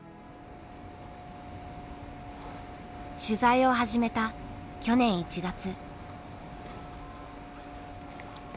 取材を始めた去年１月。